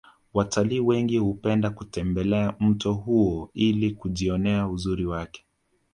watalii wengi hupenda kutembelea mto huo ili kujionea uzuri wake